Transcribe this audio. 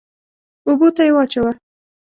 اوبو ته يې واچوه.